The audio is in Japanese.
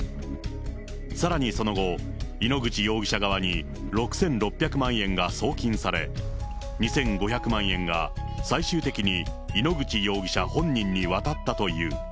さらにその後、井ノ口容疑者側に６６００万円が送金され、２５００万円が最終的に井ノ口容疑者本人に渡ったという。